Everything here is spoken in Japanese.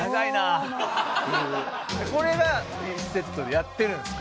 これがセットでやってるんですか？